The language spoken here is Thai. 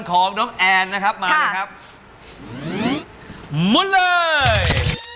ของน้องแอนนะครับมาเลยครับมุนเลย